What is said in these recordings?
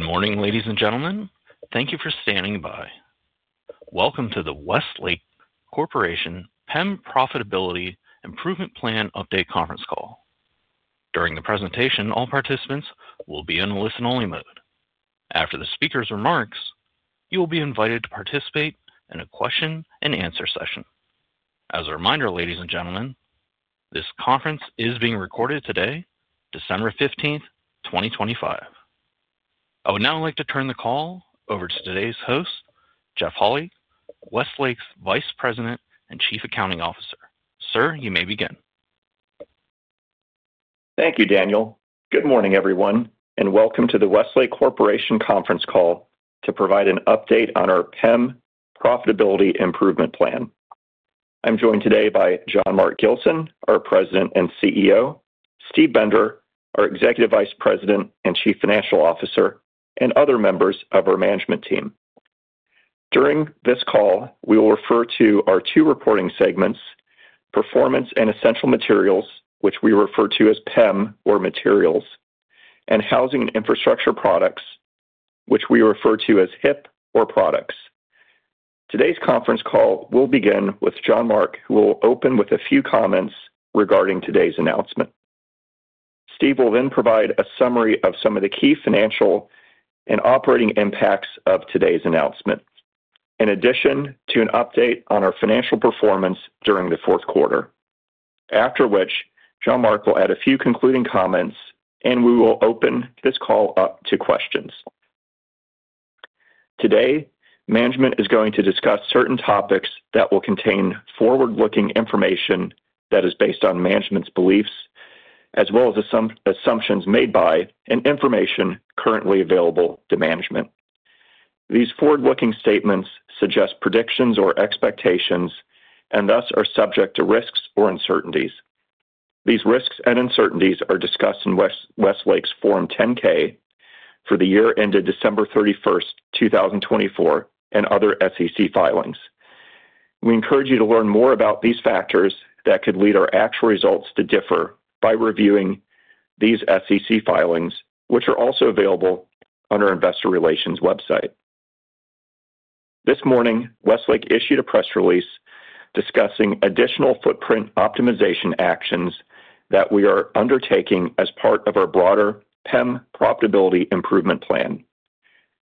Good morning, ladies and gentlemen. Thank you for standing by. Welcome to the Westlake Corporation PEM Profitability Improvement Plan Update conference call. During the presentation, all participants will be in a listen-only mode. After the speaker's remarks, you will be invited to participate in a question-and-answer session. As a reminder, ladies and gentlemen, this conference is being recorded today, December 15th, 2025. I would now like to turn the call over to today's host, Jeff Holy, Westlake's Vice President and Chief Accounting Officer. Sir, you may begin. Thank you, Daniel. Good morning, everyone, and welcome to the Westlake Corporation conference call to provide an update on our PEM Profitability Improvement Plan. I'm joined today by Jean-Marc Gilson, our President and CEO, Steve Bender, our Executive Vice President and Chief Financial Officer, and other members of our management team. During this call, we will refer to our two reporting segments: Performance and Essential Materials, which we refer to as PEM or materials, and Housing and Infrastructure products, which we refer to as HIP or products. Today's conference call will begin with Jean-Marc, who will open with a few comments regarding today's announcement. Steve will then provide a summary of some of the key financial and operating impacts of today's announcement, in addition to an update on our financial performance during the fourth quarter, after which Jean-Marc will add a few concluding comments, and we will open this call up to questions. Today, management is going to discuss certain topics that will contain forward-looking information that is based on management's beliefs, as well as assumptions made by and information currently available to management. These forward-looking statements suggest predictions or expectations and thus are subject to risks or uncertainties. These risks and uncertainties are discussed in Westlake's Form 10-K for the year ended December 31st, 2024, and other SEC filings. We encourage you to learn more about these factors that could lead our actual results to differ by reviewing these SEC filings, which are also available on our investor relations website. This morning, Westlake issued a press release discussing additional footprint optimization actions that we are undertaking as part of our broader PEM Profitability Improvement Plan.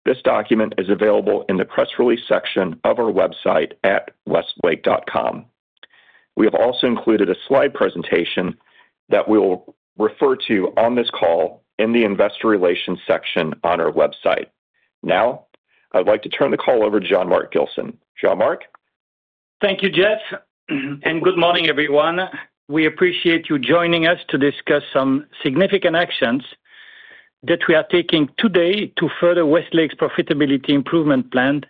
This document is available in the press release section of our website at westlake.com. We have also included a slide presentation that we will refer to on this call in the investor relations section on our website. Now, I would like to turn the call over to Jean-Marc Gilson. Jean-Marc. Thank you, Jeff, and good morning, everyone. We appreciate you joining us to discuss some significant actions that we are taking today to further Westlake's profitability improvement plan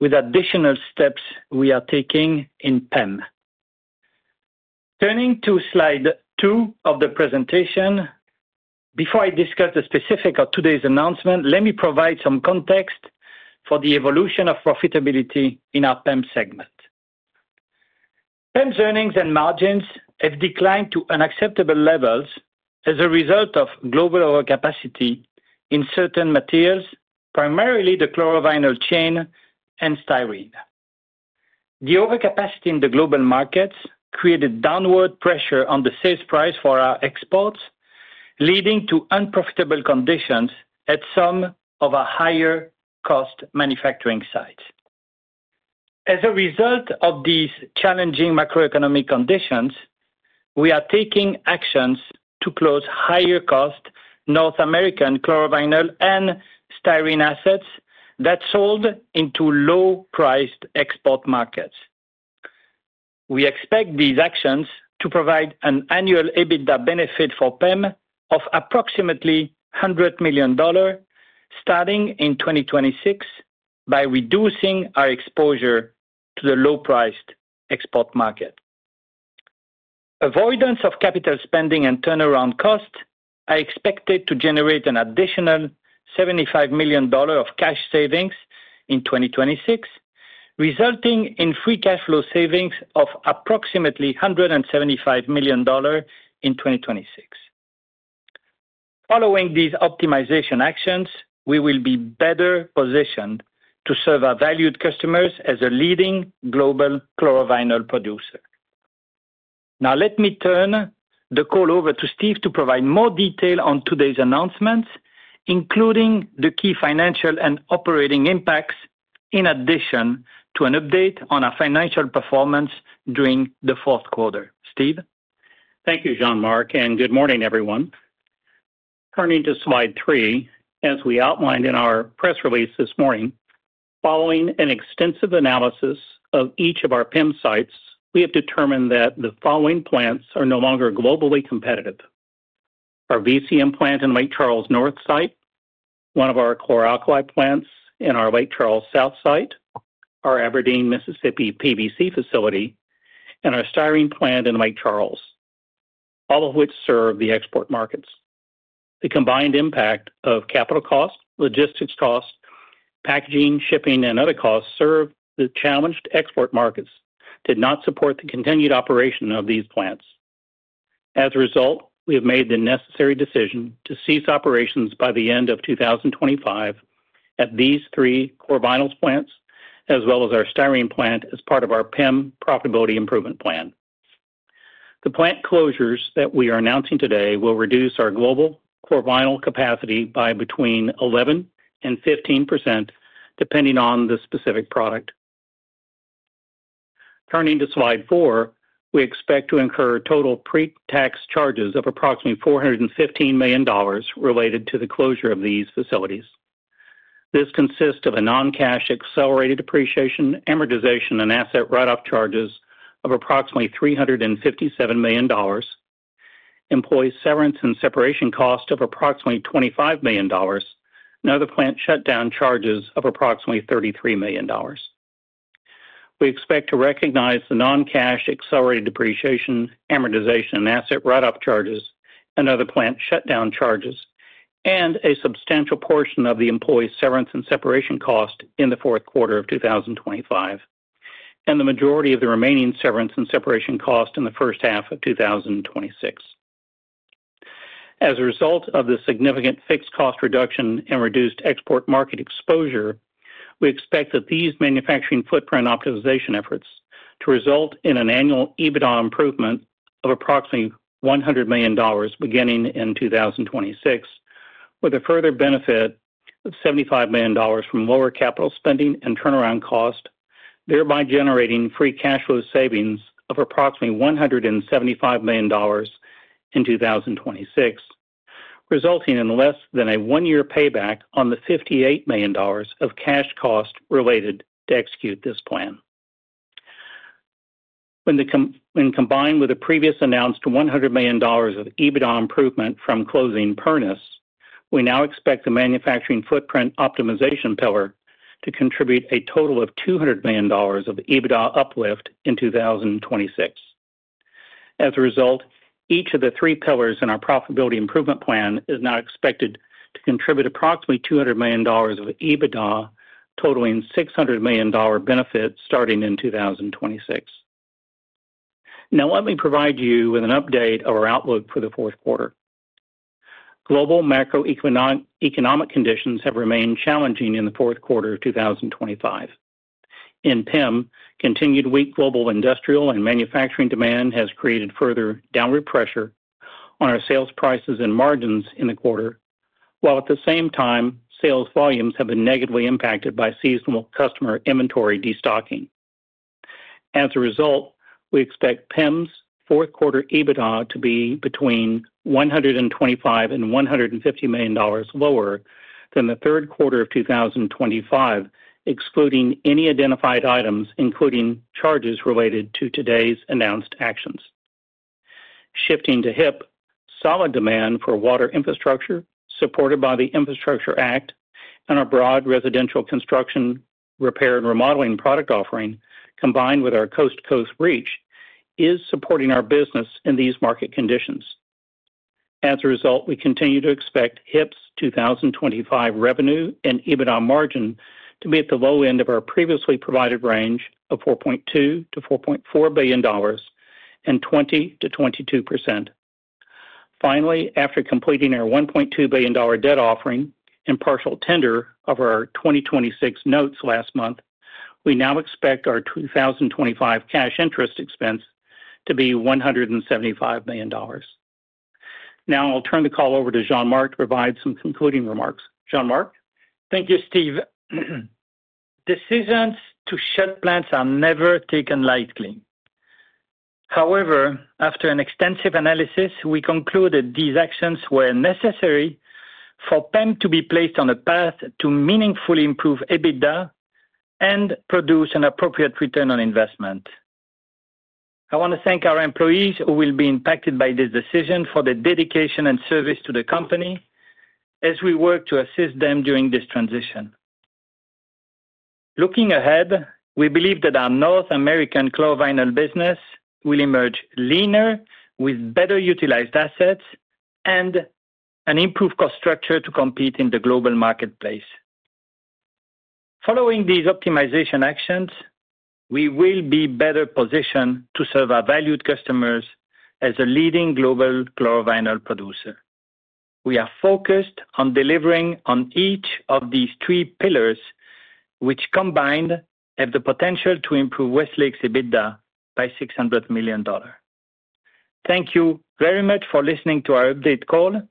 with additional steps we are taking in PEM. Turning to slide two of the presentation, before I discuss the specifics of today's announcement, let me provide some context for the evolution of profitability in our PEM segment. PEM's earnings and margins have declined to unacceptable levels as a result of global overcapacity in certain materials, primarily the chlorovinyl chain and styrene. The overcapacity in the global markets created downward pressure on the sales price for our exports, leading to unprofitable conditions at some of our higher-cost manufacturing sites. As a result of these challenging macroeconomic conditions, we are taking actions to close higher-cost North American chlorovinyl and styrene assets that sold into low-priced export markets. We expect these actions to provide an annual EBITDA benefit for PEM of approximately $100 million, starting in 2026, by reducing our exposure to the low-priced export market. Avoidance of capital spending and turnaround costs are expected to generate an additional $75 million of cash savings in 2026, resulting in free cash flow savings of approximately $175 million in 2026. Following these optimization actions, we will be better positioned to serve our valued customers as a leading global chlorovinyl producer. Now, let me turn the call over to Steve to provide more detail on today's announcements, including the key financial and operating impacts in addition to an update on our financial performance during the fourth quarter. Steve? Thank you, Jean-Marc, and good morning, everyone. Turning to slide three, as we outlined in our press release this morning, following an extensive analysis of each of our PEM sites, we have determined that the following plants are no longer globally competitive: our VCM plant in Lake Charles North site, one of our chlor-alkali plants in our Lake Charles South site, our Aberdeen, Mississippi PVC facility, and our styrene plant in Lake Charles, all of which serve the export markets. The combined impact of capital costs, logistics costs, packaging, shipping, and other costs to serve the challenged export markets did not support the continued operation of these plants. As a result, we have made the necessary decision to cease operations by the end of 2025 at these three chlorovinyl plants, as well as our styrene plant as part of our PEM Profitability Improvement Plan. The plant closures that we are announcing today will reduce our global chlorovinyl capacity by between 11% and 15%, depending on the specific product. Turning to slide four, we expect to incur total pre-tax charges of approximately $415 million related to the closure of these facilities. This consists of a non-cash accelerated depreciation, amortization, and asset write-off charges of approximately $357 million, employee severance and separation costs of approximately $25 million, and other plant shutdown charges of approximately $33 million. We expect to recognize the non-cash accelerated depreciation, amortization, and asset write-off charges, and other plant shutdown charges, and a substantial portion of the employee severance and separation costs in the fourth quarter of 2025, and the majority of the remaining severance and separation costs in the first half of 2026. As a result of the significant fixed cost reduction and reduced export market exposure, we expect that these manufacturing footprint optimization efforts to result in an annual EBITDA improvement of approximately $100 million beginning in 2026, with a further benefit of $75 million from lower capital spending and turnaround costs, thereby generating free cash flow savings of approximately $175 million in 2026, resulting in less than a one-year payback on the $58 million of cash costs related to execute this plan. When combined with the previously announced $100 million of EBITDA improvement from closing Pernis, we now expect the manufacturing footprint optimization pillar to contribute a total of $200 million of EBITDA uplift in 2026. As a result, each of the three pillars in our Profitability Improvement Plan is now expected to contribute approximately $200 million of EBITDA, totaling $600 million benefit starting in 2026. Now, let me provide you with an update of our outlook for the fourth quarter. Global macroeconomic conditions have remained challenging in the fourth quarter of 2025. In PEM, continued weak global industrial and manufacturing demand has created further downward pressure on our sales prices and margins in the quarter, while at the same time, sales volumes have been negatively impacted by seasonal customer inventory destocking. As a result, we expect PEM's fourth quarter EBITDA to be between $125 and $150 million lower than the third quarter of 2025, excluding any identified items, including charges related to today's announced actions. Shifting to HIP, solid demand for water infrastructure, supported by the Infrastructure Act and our broad residential construction, repair, and remodeling product offering, combined with our coast-to-coast reach, is supporting our business in these market conditions. As a result, we continue to expect HIP's 2025 revenue and EBITDA margin to be at the low end of our previously provided range of $4.2 billion-$4.4 billion and 20%-22%. Finally, after completing our $1.2 billion debt offering and partial tender of our 2026 notes last month, we now expect our 2025 cash interest expense to be $175 million. Now, I'll turn the call over to Jean-Marc to provide some concluding remarks. Jean-Marc? Thank you, Steve. Decisions to shut plants are never taken lightly. However, after an extensive analysis, we concluded these actions were necessary for PEM to be placed on a path to meaningfully improve EBITDA and produce an appropriate return on investment. I want to thank our employees who will be impacted by this decision for their dedication and service to the company as we work to assist them during this transition. Looking ahead, we believe that our North American chlorovinyl business will emerge leaner, with better utilized assets and an improved cost structure to compete in the global marketplace. Following these optimization actions, we will be better positioned to serve our valued customers as a leading global chlorovinyl producer. We are focused on delivering on each of these three pillars, which combined have the potential to improve Westlake's EBITDA by $600 million. Thank you very much for listening to our update call.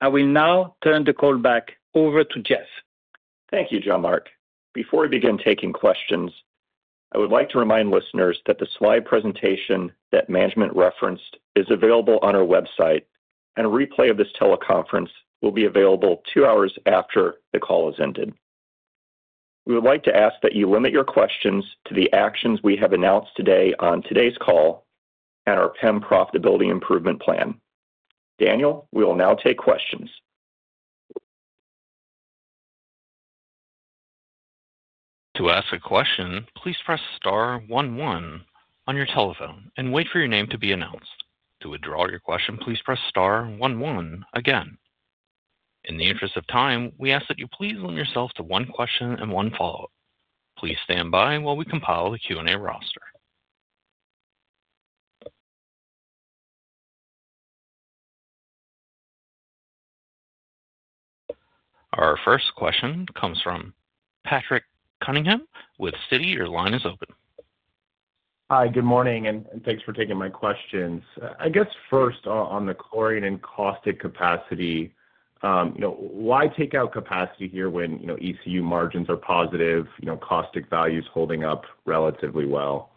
I will now turn the call back over to Jeff. Thank you, Jean-Marc. Before we begin taking questions, I would like to remind listeners that the slide presentation that management referenced is available on our website, and a replay of this teleconference will be available two hours after the call has ended. We would like to ask that you limit your questions to the actions we have announced today on today's call and our PEM Profitability Improvement Plan. Daniel, we will now take questions. To ask a question, please press star one one on your telephone and wait for your name to be announced. To withdraw your question, please press star one one again. In the interest of time, we ask that you please limit yourself to one question and one follow-up. Please stand by while we compile the Q&A roster. Our first question comes from Patrick Cunningham with Citi. Your line is open. Hi, good morning, and thanks for taking my questions. I guess first, on the chlorine and caustic capacity, why take out capacity here when ECU margins are positive, caustic values holding up relatively well?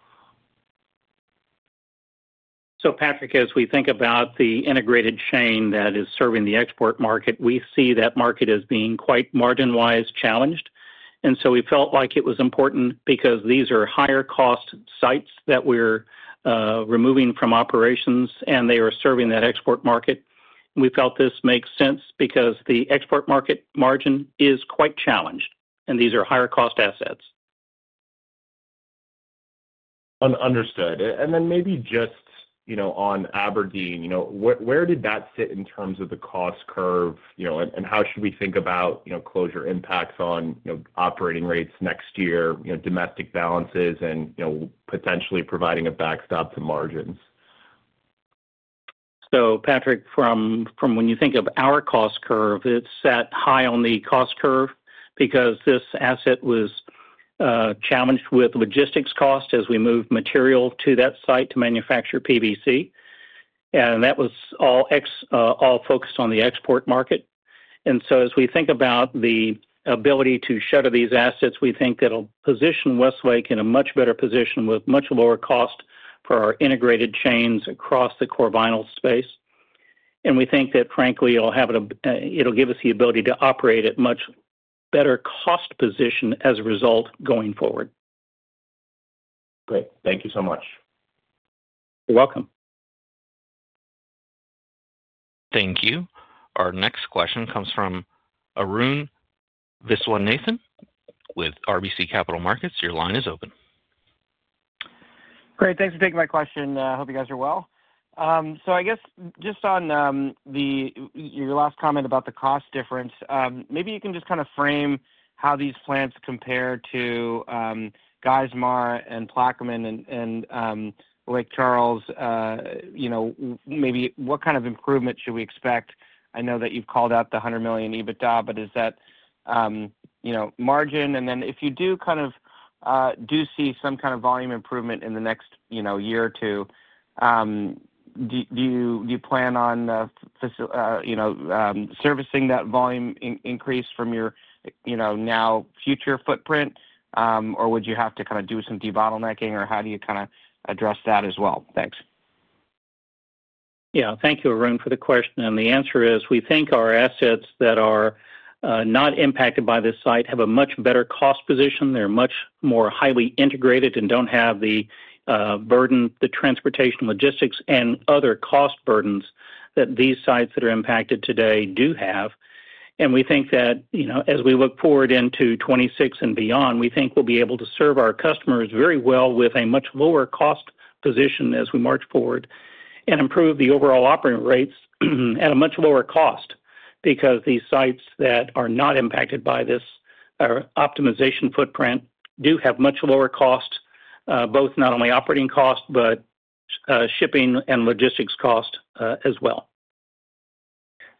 Patrick, as we think about the integrated chain that is serving the export market, we see that market as being quite margin-wise challenged. And so we felt like it was important because these are higher-cost sites that we're removing from operations, and they are serving that export market. We felt this makes sense because the export market margin is quite challenged, and these are higher-cost assets. Understood. And then maybe just on Aberdeen, where did that sit in terms of the cost curve, and how should we think about closure impacts on operating rates next year, domestic balances, and potentially providing a backstop to margins? So Patrick, from when you think of our cost curve, it's set high on the cost curve because this asset was challenged with logistics costs as we moved material to that site to manufacture PVC. And that was all focused on the export market. And so as we think about the ability to shutter these assets, we think that it'll position Westlake in a much better position with much lower cost for our integrated chains across the chlorovinyl space. And we think that, frankly, it'll give us the ability to operate at a much better cost position as a result going forward. Great. Thank you so much. You're welcome. Thank you. Our next question comes from Arun Viswanathan with RBC Capital Markets. Your line is open. Great. Thanks for taking my question. I hope you guys are well. So I guess just on your last comment about the cost difference, maybe you can just kind of frame how these plants compare to Geismar and Plaquemine and Lake Charles. Maybe what kind of improvement should we expect? I know that you've called out the $100 million EBITDA, but is that margin? And then if you do kind of do see some kind of volume improvement in the next year or two, do you plan on servicing that volume increase from your now future footprint, or would you have to kind of do some debottlenecking, or how do you kind of address that as well? Thanks. Yeah. Thank you, Arun, for the question. And the answer is we think our assets that are not impacted by this site have a much better cost position. They're much more highly integrated and don't have the burden, the transportation, logistics, and other cost burdens that these sites that are impacted today do have. And we think that as we look forward into 2026 and beyond, we think we'll be able to serve our customers very well with a much lower cost position as we march forward and improve the overall operating rates at a much lower cost because these sites that are not impacted by this optimization footprint do have much lower cost, both not only operating cost, but shipping and logistics cost as well.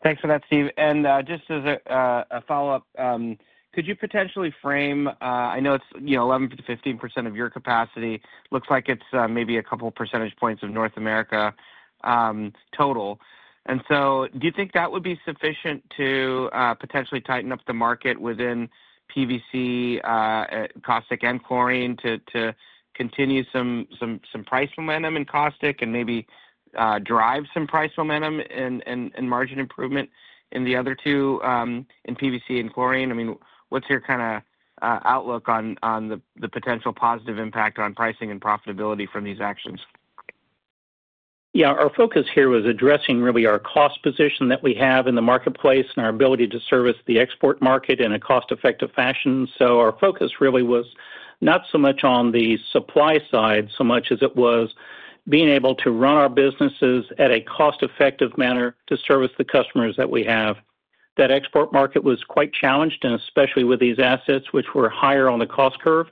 Thanks for that, Steve. And just as a follow-up, could you potentially frame, I know it's 11%-15% of your capacity. Looks like it's maybe a couple of percentage points of North America total. And so do you think that would be sufficient to potentially tighten up the market within PVC, caustic, and chlorine to continue some price momentum in caustic and maybe drive some price momentum and margin improvement in the other two, in PVC and chlorine? I mean, what's your kind of outlook on the potential positive impact on pricing and profitability from these actions? Yeah. Our focus here was addressing really our cost position that we have in the marketplace and our ability to service the export market in a cost-effective fashion. So our focus really was not so much on the supply side so much as it was being able to run our businesses at a cost-effective manner to service the customers that we have. That export market was quite challenged, and especially with these assets, which were higher on the cost curve.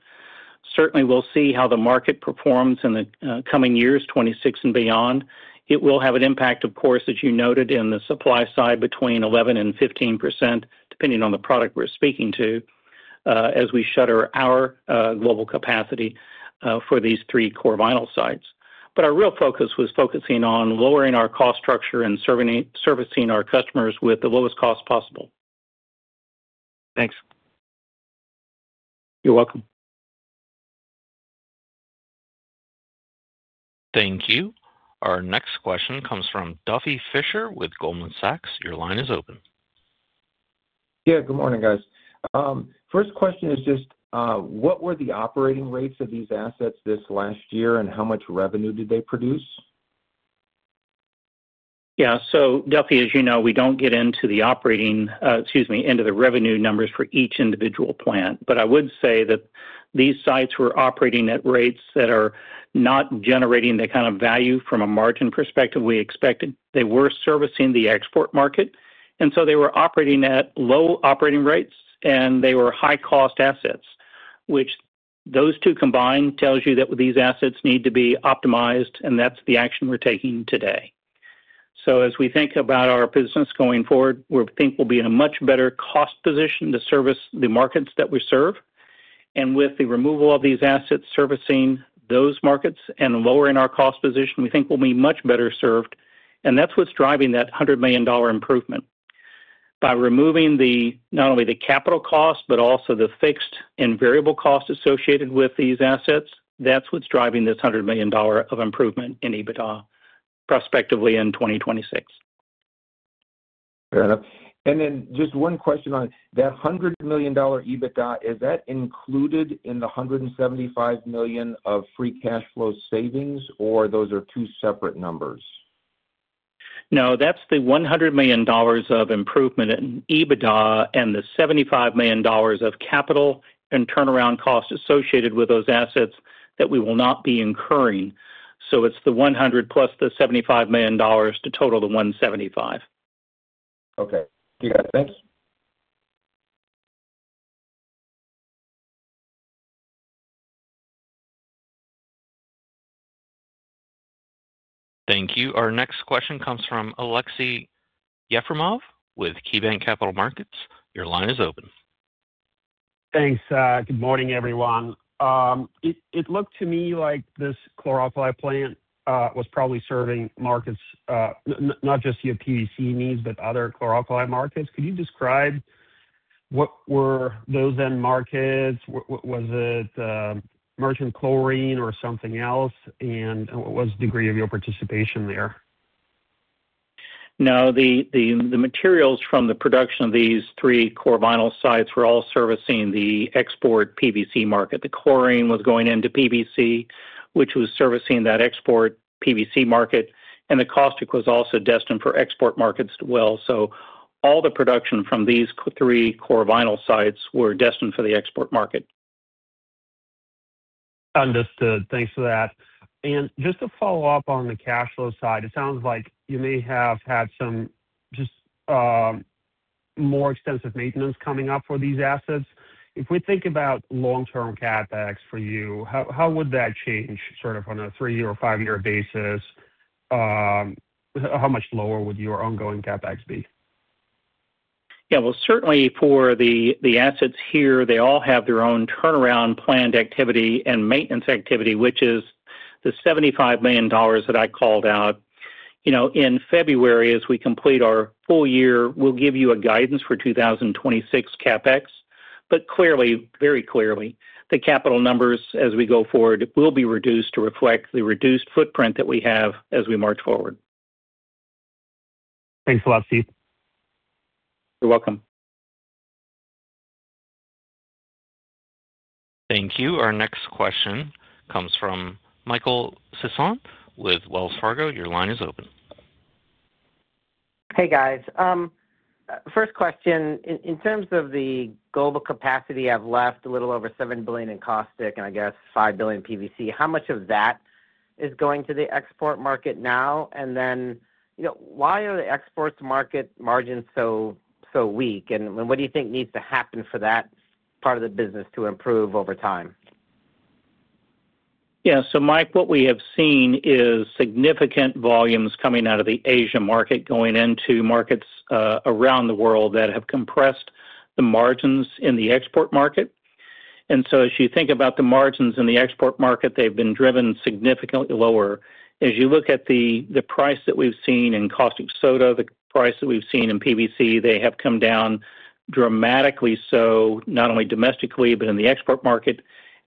Certainly, we'll see how the market performs in the coming years, 2026 and beyond. It will have an impact, of course, as you noted, in the supply side between 11% and 15%, depending on the product we're speaking to as we shutter our global capacity for these three chlorovinyl sites. But our real focus was focusing on lowering our cost structure and servicing our customers with the lowest cost possible. Thanks. You're welcome. Thank you. Our next question comes from Duffy Fischer with Goldman Sachs. Your line is open. Yeah. Good morning, guys. First question is just what were the operating rates of these assets this last year, and how much revenue did they produce? Yeah. So Duffy, as you know, we don't get into the operating, excuse me, into the revenue numbers for each individual plant. But I would say that these sites were operating at rates that are not generating the kind of value from a margin perspective we expected. They were servicing the export market, and so they were operating at low operating rates, and they were high-cost assets, which those two combined tells you that these assets need to be optimized, and that's the action we're taking today. So as we think about our business going forward, we think we'll be in a much better cost position to service the markets that we serve. And with the removal of these assets servicing those markets and lowering our cost position, we think we'll be much better served. And that's what's driving that $100 million improvement. By removing not only the capital cost, but also the fixed and variable cost associated with these assets, that's what's driving this $100 million of improvement in EBITDA prospectively in 2026. Fair enough. And then just one question on that $100 million EBITDA, is that included in the $175 million of free cash flow savings, or those are two separate numbers? No, that's the $100 million of improvement in EBITDA and the $75 million of capital and turnaround cost associated with those assets that we will not be incurring. So it's the $100+ million the $75 million to total the $175 million. Okay. You got it. Thanks. Thank you. Our next question comes from Aleksey Yefremov with KeyBanc Capital Markets. Your line is open. Thanks. Good morning, everyone. It looked to me like this chlor-alkali plant was probably serving markets, not just your PVC needs, but other chlor-alkali markets. Could you describe what were those end markets? Was it merchant chlorine or something else? And what was the degree of your participation there? No, the materials from the production of these three chlorovinyl sites were all servicing the export PVC market. The chlorine was going into PVC, which was servicing that export PVC market. And the caustic was also destined for export markets as well. So all the production from these three chlorovinyl sites were destined for the export market. Understood. Thanks for that. And just to follow up on the cash flow side, it sounds like you may have had some just more extensive maintenance coming up for these assets. If we think about long-term CapEx for you, how would that change sort of on a three-year or five-year basis? How much lower would your ongoing CapEx be? Yeah. Well, certainly for the assets here, they all have their own turnaround planned activity and maintenance activity, which is the $75 million that I called out. In February, as we complete our full year, we'll give you a guidance for 2026 CapEx. But clearly, very clearly, the capital numbers as we go forward will be reduced to reflect the reduced footprint that we have as we march forward. Thanks a lot, Steve. You're welcome. Thank you. Our next question comes from Michael Sisson with Wells Fargo. Your line is open. Hey, guys. First question. In terms of the global capacity that's left, a little over 7 billion in caustic and I guess 5 billion PVC, how much of that is going to the export market now? And then why are the export market margins so weak? And what do you think needs to happen for that part of the business to improve over time? Yeah. So Mike, what we have seen is significant volumes coming out of the Asia market going into markets around the world that have compressed the margins in the export market. And so as you think about the margins in the export market, they've been driven significantly lower. As you look at the price that we've seen in caustic soda, the price that we've seen in PVC, they have come down dramatically so not only domestically, but in the export market.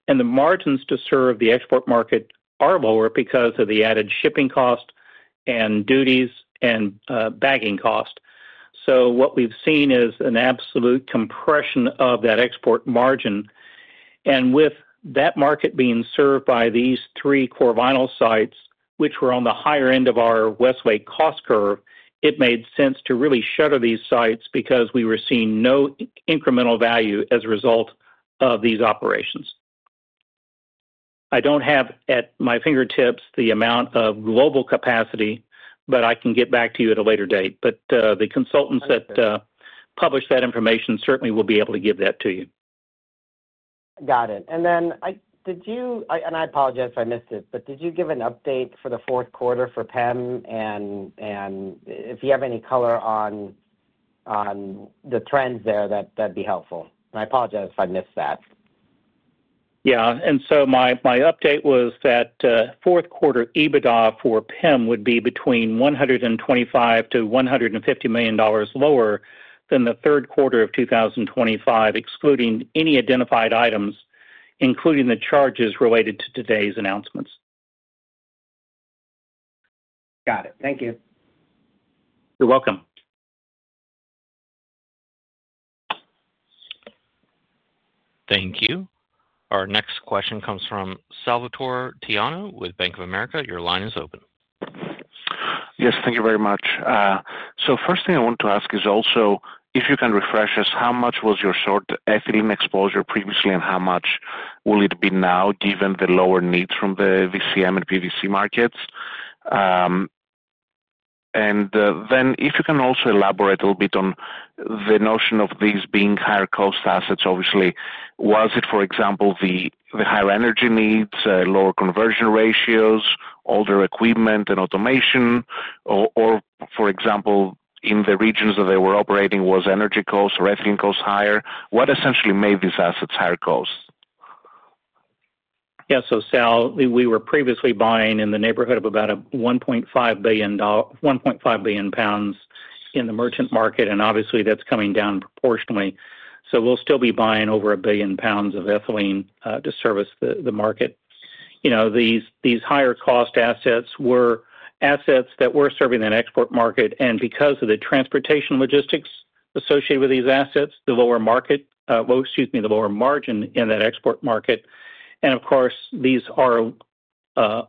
And the margins to serve the export market are lower because of the added shipping cost and duties and bagging cost. So what we've seen is an absolute compression of that export margin. With that market being served by these three chlorovinyl sites, which were on the higher end of our Westlake cost curve, it made sense to really shutter these sites because we were seeing no incremental value as a result of these operations. I don't have at my fingertips the amount of global capacity, but I can get back to you at a later date. The consultants that published that information certainly will be able to give that to you. Got it. And then did you, and I apologize if I missed it, but did you give an update for the fourth quarter for PEM? And if you have any color on the trends there, that'd be helpful. And I apologize if I missed that. Yeah. And so my update was that fourth quarter EBITDA for PEM would be between $125 million-$150 million lower than the third quarter of 2025, excluding any identified items, including the charges related to today's announcements. Got it. Thank you. You're welcome. Thank you. Our next question comes from Salvator Tiano with Bank of America. Your line is open. Yes. Thank you very much. So first thing I want to ask is also if you can refresh us how much was your short ethylene exposure previously and how much will it be now given the lower needs from the VCM and PVC markets? And then if you can also elaborate a little bit on the notion of these being higher cost assets, obviously, was it, for example, the higher energy needs, lower conversion ratios, older equipment and automation, or, for example, in the regions that they were operating, was energy cost or ethylene cost higher? What essentially made these assets higher cost? Yeah. So Sal, we were previously buying in the neighborhood of about 1.5 billion lbs in the merchant market, and obviously that's coming down proportionally. So we'll still be buying over 1 billion lbs of ethylene to service the market. These higher cost assets were assets that were serving an export market. And because of the transportation logistics associated with these assets, the lower market, excuse me, the lower margin in that export market. And of course, these are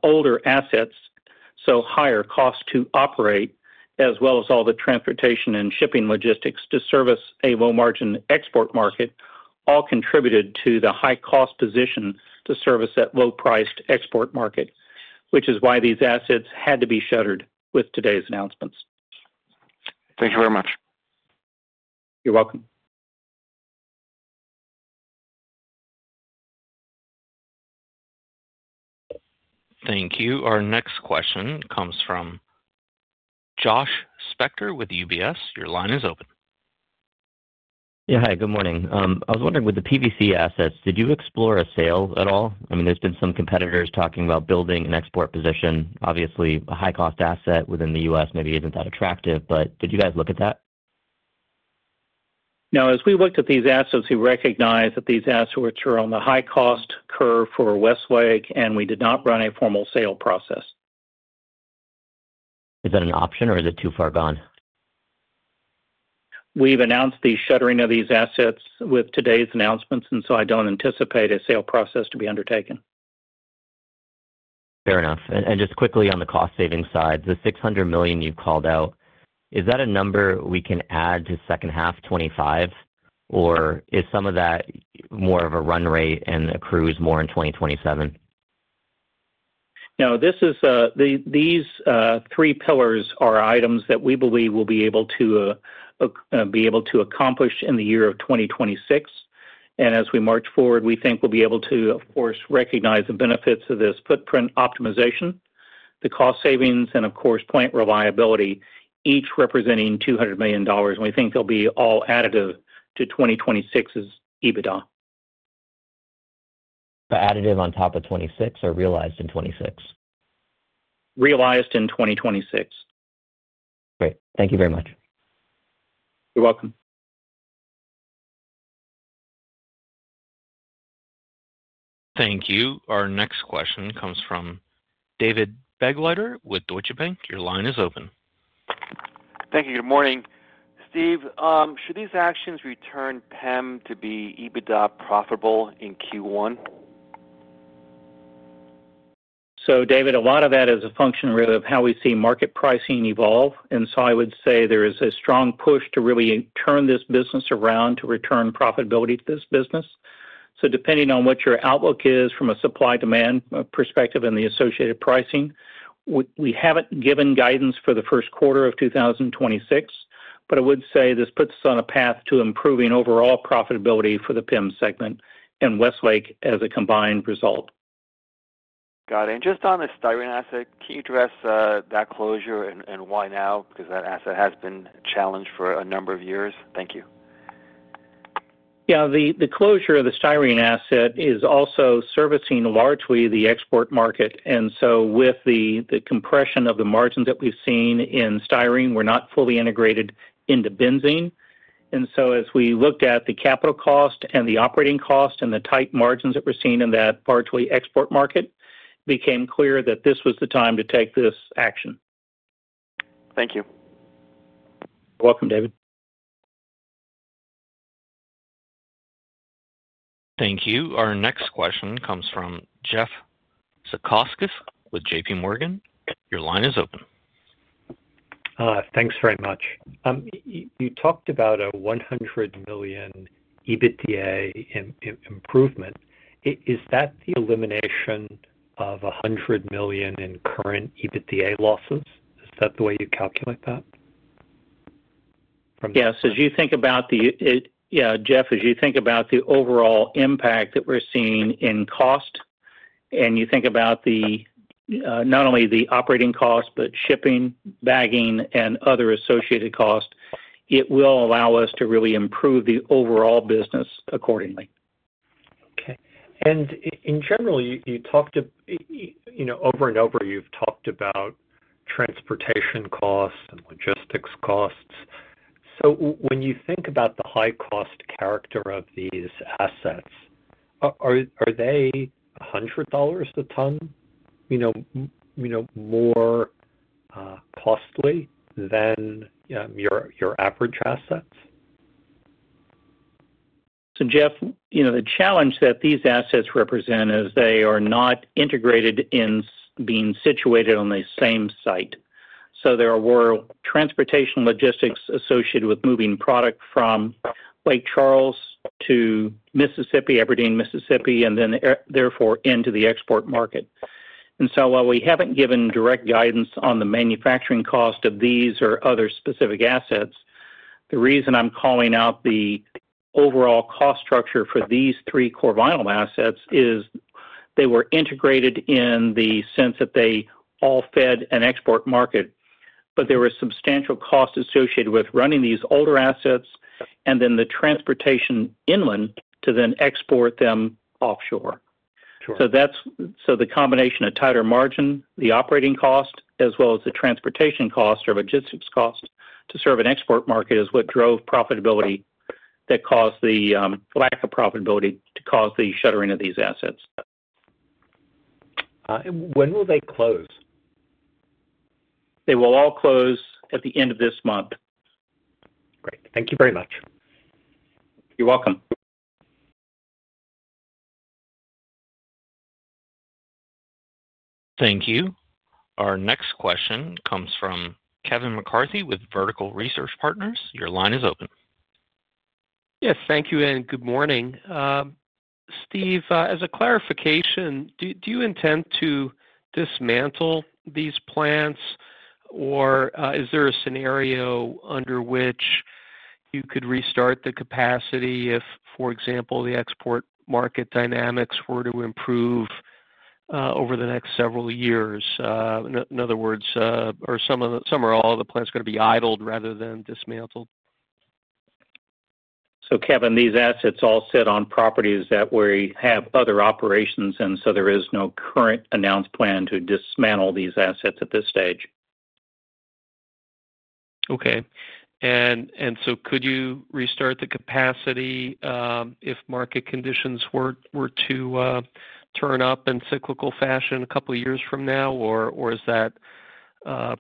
older assets, so higher cost to operate, as well as all the transportation and shipping logistics to service a low-margin export market, all contributed to the high-cost position to service that low-priced export market, which is why these assets had to be shuttered with today's announcements. Thank you very much. You're welcome. Thank you. Our next question comes from Josh Spector with UBS. Your line is open. Yeah. Hi. Good morning. I was wondering, with the PVC assets, did you explore a sale at all? I mean, there's been some competitors talking about building an export position. Obviously, a high-cost asset within the U.S. maybe isn't that attractive, but did you guys look at that? No. As we looked at these assets, we recognized that these assets were on the high-cost curve for Westlake, and we did not run a formal sale process. Is that an option, or is it too far gone? We've announced the shuttering of these assets with today's announcements, and so I don't anticipate a sale process to be undertaken. Fair enough. And just quickly on the cost-saving side, the $600 million you called out, is that a number we can add to second half 2025, or is some of that more of a run rate and accrues more in 2027? No. These three pillars are items that we believe we'll be able to accomplish in the year of 2026. And as we march forward, we think we'll be able to, of course, recognize the benefits of this footprint optimization, the cost savings, and of course, plant reliability, each representing $200 million. And we think they'll be all additive to 2026's EBITDA. The additive on top of 2026 are realized in 2026? Realized in 2026. Great. Thank you very much. You're welcome. Thank you. Our next question comes from David Begleiter with Deutsche Bank. Your line is open. Thank you. Good morning, Steve. Should these actions return PEM to be EBITDA profitable in Q1? David, a lot of that is a function really of how we see market pricing evolve. I would say there is a strong push to really turn this business around to return profitability to this business. Depending on what your outlook is from a supply-demand perspective and the associated pricing, we haven't given guidance for the first quarter of 2026, but I would say this puts us on a path to improving overall profitability for the PEM segment and Westlake as a combined result. Got it. And just on the styrene asset, can you address that closure and why now? Because that asset has been a challenge for a number of years. Thank you. Yeah. The closure of the styrene asset is also servicing largely the export market. And so with the compression of the margins that we've seen in styrene, we're not fully integrated into benzene. And so as we looked at the capital cost and the operating cost and the tight margins that we're seeing in that largely export market, it became clear that this was the time to take this action. Thank you. You're welcome, David. Thank you. Our next question comes from Jeff Zekauskas with JPMorgan. Your line is open. Thanks very much. You talked about a $100 million EBITDA improvement. Is that the elimination of $100 million in current EBITDA losses? Is that the way you calculate that? Yes. Yeah, Jeff, as you think about the overall impact that we're seeing in cost, and you think about not only the operating cost, but shipping, bagging, and other associated costs, it will allow us to really improve the overall business accordingly. Okay. And in general, you talked over and over, you've talked about transportation costs and logistics costs. So when you think about the high-cost character of these assets, are they $100 a ton more costly than your average assets? So Jeff, the challenge that these assets represent is they are not integrated in being situated on the same site. So there were transportation logistics associated with moving product from Lake Charles to Mississippi, Aberdeen, Mississippi, and then therefore into the export market. And so while we haven't given direct guidance on the manufacturing cost of these or other specific assets, the reason I'm calling out the overall cost structure for these three chlorovinyl assets is they were integrated in the sense that they all fed an export market, but there were substantial costs associated with running these older assets and then the transportation inland to then export them offshore. So the combination of tighter margin, the operating cost, as well as the transportation cost or logistics cost to serve an export market is what drove profitability that caused the lack of profitability to cause the shuttering of these assets. When will they close? They will all close at the end of this month. Great. Thank you very much. You're welcome. Thank you. Our next question comes from Kevin McCarthy with Vertical Research Partners. Your line is open. Yes. Thank you and good morning. Steve, as a clarification, do you intend to dismantle these plants, or is there a scenario under which you could restart the capacity if, for example, the export market dynamics were to improve over the next several years? In other words, are some or all of the plants going to be idled rather than dismantled? So Kevin, these assets all sit on properties that we have other operations, and so there is no current announced plan to dismantle these assets at this stage. Okay. And so could you restart the capacity if market conditions were to turn up in cyclical fashion a couple of years from now, or is that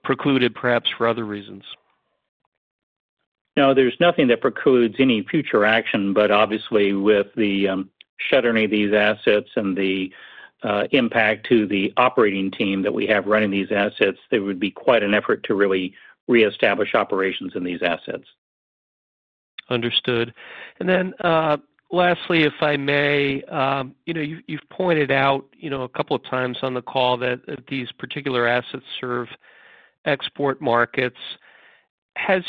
precluded perhaps for other reasons? No. There's nothing that precludes any future action, but obviously with the shuttering of these assets and the impact to the operating team that we have running these assets, there would be quite an effort to really reestablish operations in these assets. Understood. And then lastly, if I may, you've pointed out a couple of times on the call that these particular assets serve export markets. Has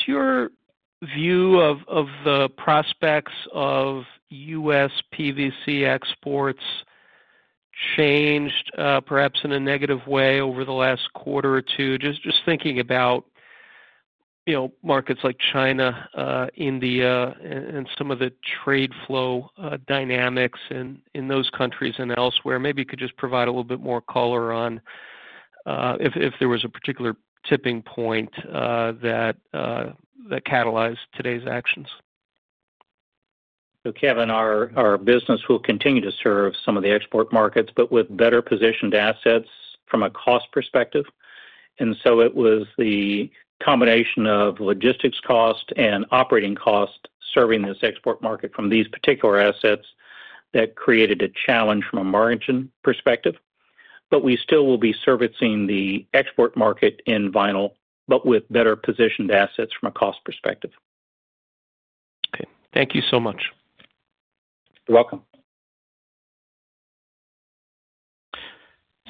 your view of the prospects of U.S. PVC exports changed perhaps in a negative way over the last quarter or two? Just thinking about markets like China, India, and some of the trade flow dynamics in those countries and elsewhere, maybe you could just provide a little bit more color on if there was a particular tipping point that catalyzed today's actions. So Kevin, our business will continue to serve some of the export markets, but with better-positioned assets from a cost perspective. And so it was the combination of logistics cost and operating cost serving this export market from these particular assets that created a challenge from a margin perspective. But we still will be servicing the export market in vinyl, but with better-positioned assets from a cost perspective. Okay. Thank you so much. You're welcome.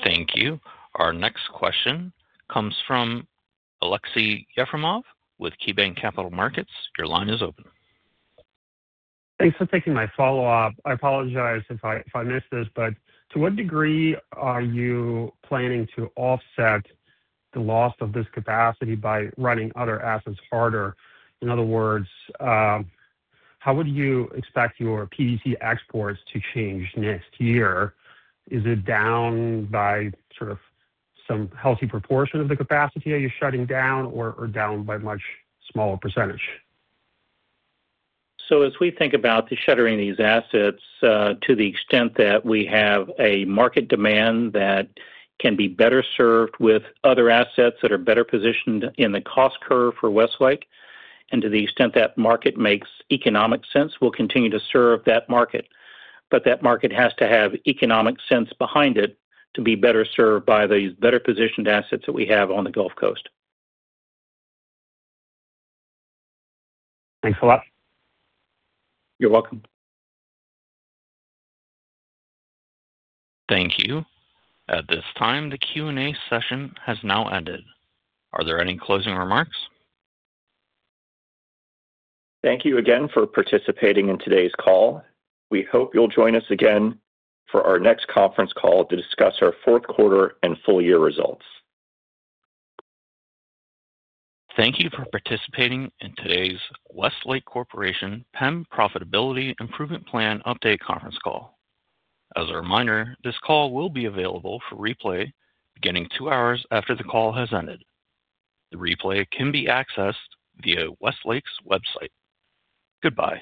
Thank you. Our next question comes from Alexey Yefremov with KeyBanc Capital Markets. Your line is open. Thanks for taking my follow-up. I apologize if I missed this, but to what degree are you planning to offset the loss of this capacity by running other assets harder? In other words, how would you expect your PVC exports to change next year? Is it down by sort of some healthy proportion of the capacity that you're shutting down or down by a much smaller percentage? As we think about the shuttering of these assets, to the extent that we have a market demand that can be better served with other assets that are better positioned in the cost curve for Westlake, and to the extent that market makes economic sense, we'll continue to serve that market. That market has to have economic sense behind it to be better served by these better-positioned assets that we have on the Gulf Coast. Thanks a lot. You're welcome. Thank you. At this time, the Q&A session has now ended. Are there any closing remarks? Thank you again for participating in today's call. We hope you'll join us again for our next conference call to discuss our fourth quarter and full-year results. Thank you for participating in today's Westlake Corporation PEM Profitability Improvement Plan Update conference call. As a reminder, this call will be available for replay beginning two hours after the call has ended. The replay can be accessed via Westlake's website. Goodbye.